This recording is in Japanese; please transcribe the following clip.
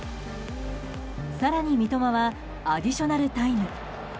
更に三笘はアディショナルタイム。